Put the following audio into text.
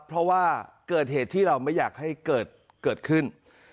เพราะว่าเกิดเหตุที่เราไม่อยากให้เกิดขึ้น